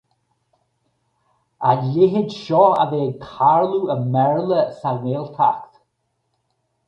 A leithéid seo a bheith ag tarlú i mBéarla sa nGaeltacht.